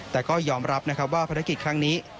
แต่ก็ยอมรับนะครับว่าภารกิจครั้งนี้